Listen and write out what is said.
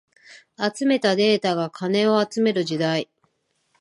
集めたデータが金を集める時代